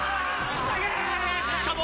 しかも。